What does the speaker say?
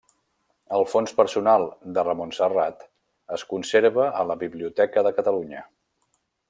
El fons personal de Ramon Serrat es conserva a la Biblioteca de Catalunya.